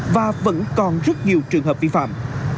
và vẫn còn rất nhiều trường hợp bị phạm